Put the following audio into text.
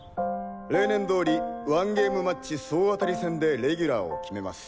例年通りワンゲームマッチ総当たり戦でレギュラーを決めます。